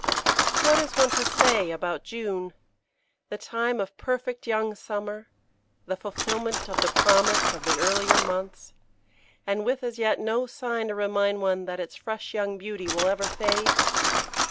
What is one to say about June the time of perfect young summer, the fulfilment of the promise of the earlier months, and with as yet no sign to remind one that its fresh young beauty will ever fade?